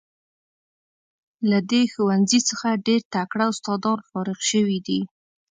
له دې ښوونځي څخه ډیر تکړه استادان فارغ شوي دي.